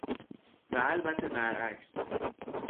و البته برعکس.